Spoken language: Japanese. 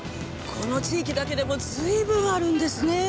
この地域だけでも随分あるんですね。